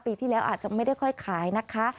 ปีที่แล้วอาจจะไม่ได้ค่อยขายนะคะ